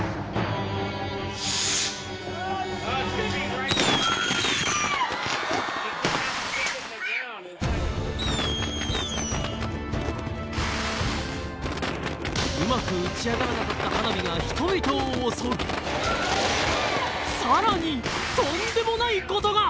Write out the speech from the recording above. この後うまく打ち上がらなかった花火が人々を襲うとんでもないことが！